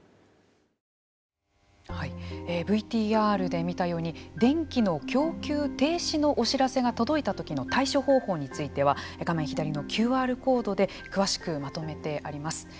ＶＴＲで見たように電気の供給停止のお知らせが届いたときの対処方法については画面左のＱＲコードで詳しくまとめてあります。